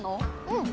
うん！